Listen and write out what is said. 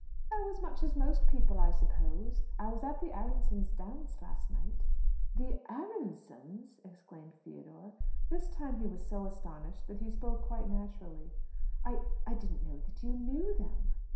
"Oh, as much as most people, I suppose. I was at the Aaronssohns' dance last night." "The Aaronssohns!" exclaimed Theodore. (This time he was so astonished that he spoke quite naturally.) "I didn't know that you knew them."